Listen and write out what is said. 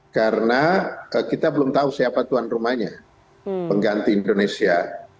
karena kita belum tahu siapa tuan rumahnya pengganti indonesia